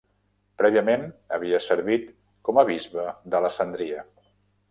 Prèviament havia servit com a bisbe d'Alessandria.